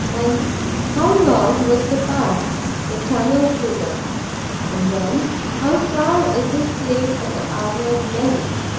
And how long was the pass, the tunnel, through them? And then how far this place of the armored men?